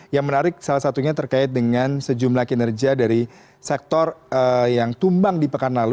yang menarik salah satunya terkait dengan sejumlah kinerja dari sektor yang tumbang di pekan lalu